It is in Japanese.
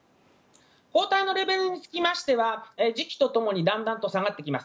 抗体のレベルにつきましては時期とともにだんだん下がってきます。